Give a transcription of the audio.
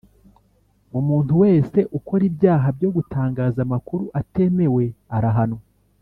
Umuntu wese ukora ibyaha byo gutangaza amakuru atemewe arahanwa